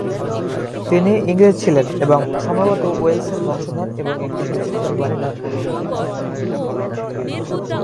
তিনি ইংরেজ ছিলেন, এবং সম্ভবত ওয়েলসের বংশধর এবং একটি ব্রিটিশ পরিবারে জন্মগ্রহণ করেন।